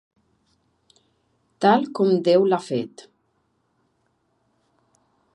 Tal com Déu l'ha fet.